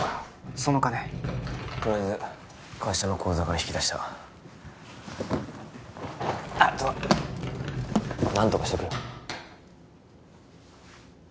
その金とりあえず会社の口座から引き出したあとは何とかしとくよ